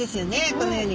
このように。